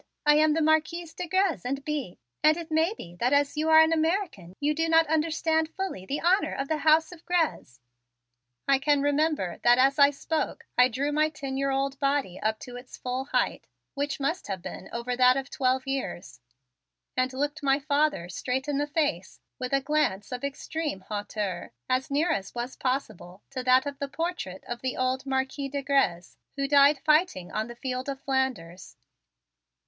I am the Marquise de Grez and Bye, and it may be that as you are an American you do not understand fully the honor of the house of Grez." I can remember that as I spoke I drew my ten year old body up to its full height, which must have been over that of twelve years, and looked my father straight in the face with a glance of extreme hauteur as near as was possible to that of the portrait of the old Marquis de Grez, who died fighting on the field of Flanders.